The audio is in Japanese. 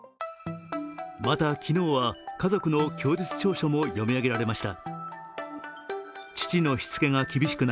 また、昨日は家族の供述調書も読み上げられました。